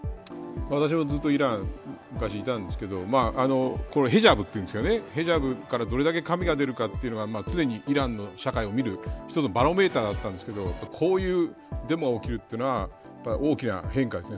私もずっとイラン昔ずっといたんですけどこのヘジャブというんですけどねヘジャブからどれだけ髪が出るかというのが社会を見る一つのバロメーターだったんですけどこういうデモが起きるというのは大きな変化です。